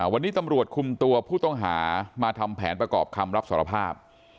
วันนี้ตำรวจคุมตัวผู้ต้องหามาทำแผนประกอบคำรับสารภาพ